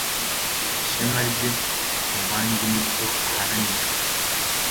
ishema rye mu bandi nicyo aharanira